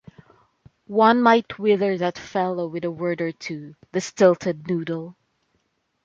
One might wither that fellow with a word or two, the stilted noodle!